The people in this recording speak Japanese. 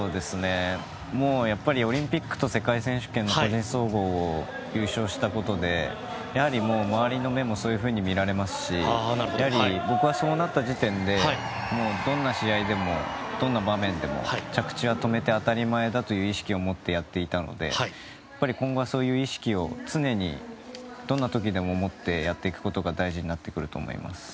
やっぱりオリンピックと世界選手権の個人総合を優勝したことでやはり周りの目もそういうふうに見られますし僕はそうなった時点でどんな試合でも、どんな場面でも着地は止めて当たり前だという意識を持ってやっていたので今後はそういう意識を常にどんな時でも持ってやっていくことが大事になってくると思います。